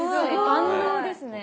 万能ですね。